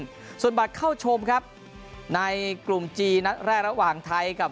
ส่วนบัตรเข้าชมครับในกลุ่มจีนนัดแรกระหว่างไทยกับ